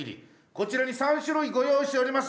こちらに３種類ご用意しております。